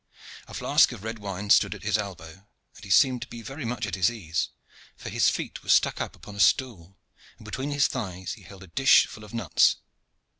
A flask of red wine stood at his elbow, and he seemed to be very much at his ease, for his feet were stuck up on a stool, and between his thighs he held a dish full of nuts.